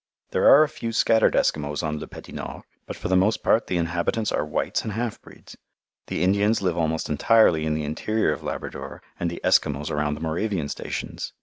There are a few scattered Eskimos on Le Petit Nord, but for the most part the inhabitants are whites and half breeds. The Indians live almost entirely in the interior of Labrador and the Eskimos around the Moravian stations.